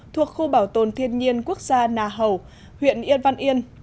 thuộc khu bảo tồn thiên nhiên quốc gia nà hầu huyện yên văn yên